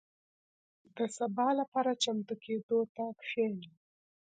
• د سبا لپاره چمتو کېدو ته کښېنه.